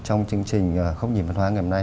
trong chương trình góc nhìn văn hóa ngày hôm nay